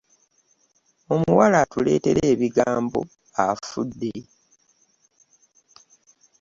Omuwala atuleetera ebigambo afudde.